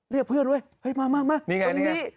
เรียกเพื่อนด้วยมามาตรงนี้